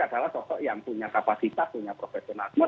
adalah sosok yang punya kapasitas punya profesional